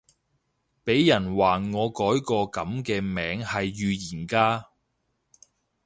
俾人話我改個噉嘅名係預言家